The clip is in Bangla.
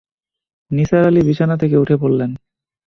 নিসার আলি বিছানা থেকে উঠে পড়লেন।